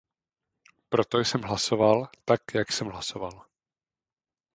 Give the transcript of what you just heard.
Proto jsem hlasoval, tak jak jsem hlasoval.